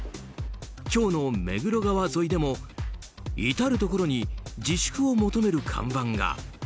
今日の目黒川沿いでも至るところに自粛を求める看板が。